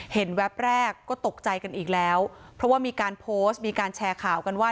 แวบแรกก็ตกใจกันอีกแล้วเพราะว่ามีการโพสต์มีการแชร์ข่าวกันว่า